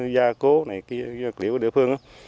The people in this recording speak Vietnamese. gia cố này kia liệu của địa phương đó